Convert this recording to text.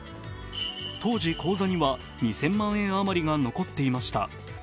当時、口座には２０００万円あまりが残っていました。